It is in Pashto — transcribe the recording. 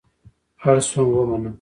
اړ شوم ومنم.